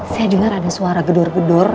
saya dengar ada suara gedor gedor